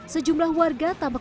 sejumlah warga tanpa kemampuan